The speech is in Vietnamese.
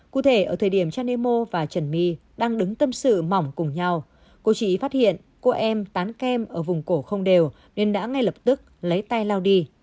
cụ thể ở thời điểm chanemo và trần my đang đứng tâm sự mỏng cùng nhau cô chị phát hiện cô em tán kem ở vùng cổ không đều nên đã ngay lập tức lấy tay lao đi